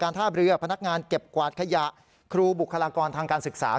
ท่าเรือพนักงานเก็บกวาดขยะครูบุคลากรทางการศึกษา